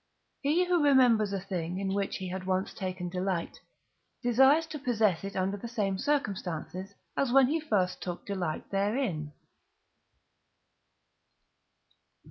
He who remembers a thing, in which he has once taken delight, desires to possess it under the same circumstances as when he first took delight therein.